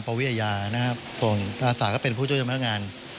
ประวิยานะครับตรงอาศักดิ์ก็เป็นผู้ช่วยเจ้าพนักงาน